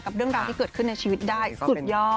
เรื่องราวที่เกิดขึ้นในชีวิตได้สุดยอด